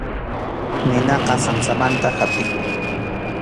Ninaqa sansamanta hapʼikun.